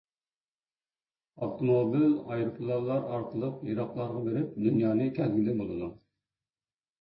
ئاپتوموبىل، ئايروپىلانلار ئارقىلىق يىراقلارغا بېرىپ، دۇنيانى كەزگىلى بولىدۇ.